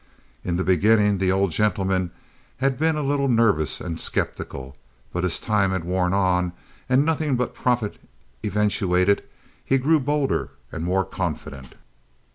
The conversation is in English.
In the beginning the old gentleman had been a little nervous and skeptical, but as time had worn on and nothing but profit eventuated, he grew bolder and more confident.